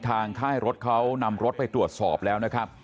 ค่ายรถเขานำรถไปตรวจสอบแล้วนะครับ